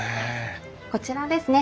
こちらですね